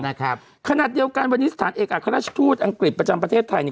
นะครับขณะเดียวกันวันนี้สถานเอกอัครราชทูตอังกฤษประจำประเทศไทยเนี่ย